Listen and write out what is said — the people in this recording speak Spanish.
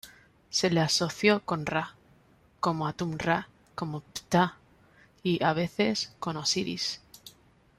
Se le asoció con Ra, como Atum-Ra, con Ptah y, a veces, con Osiris.